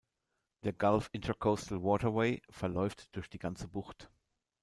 Der Gulf Intracoastal Waterway verläuft durch die ganze Bucht.